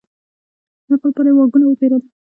د هغه لپاره یې واګونونه وپېرل.